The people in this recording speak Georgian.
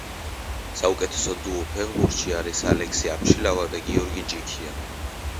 საუკეთესო დუო ფეხბურთში არის ალექსი აბშილავა და გიორგი ჯიქია